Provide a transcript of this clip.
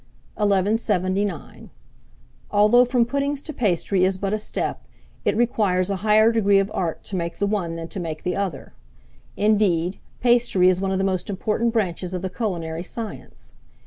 1179. ALTHOUGH FROM PUDDINGS TO PASTRY is but a step, it requires a higher degree of art to make the one than to make the other. Indeed, pastry is one of the most important branches of the culinary science.